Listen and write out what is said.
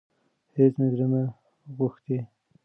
هيڅ مي زړه نه غوښتی .